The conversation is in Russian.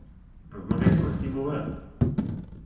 В магазинах не бываю.